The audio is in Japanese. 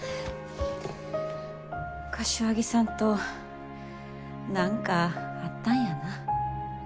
柏木さんと何かあったんやな。